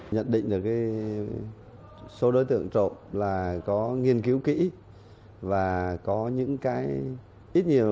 nhận định được số đối tượng trộm là có nghiên cứu kỹ và có những cái ít nhiều